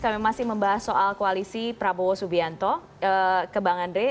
kami masih membahas soal koalisi prabowo subianto ke bang andre